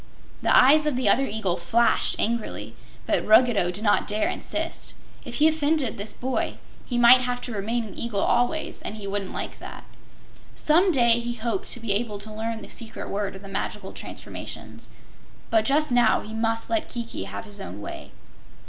The eyes of the other eagle flashed angrily, but Ruggedo did not dare insist. If he offended this boy, he might have to remain an eagle always and he wouldn't like that. Some day he hoped to be able to learn the secret word of the magical transformations, but just now he must let Kiki have his own way.